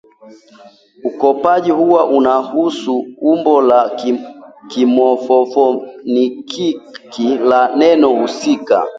ukopaji huwa unahusu umbo la kimofofonimiki la neno husika na